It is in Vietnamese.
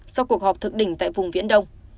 sau cuộc họp thực đỉnh tại vùng viễn đông